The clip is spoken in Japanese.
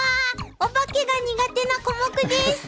お化けが苦手なコモクです。